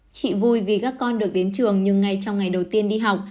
chị vui vì các con được đến trường nhưng ngay trong ngày đầu tiên đi học